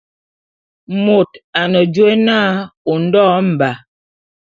Mot ane jôé na Ondo Mba.